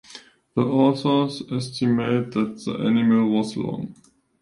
The authors estimate that the animal was long.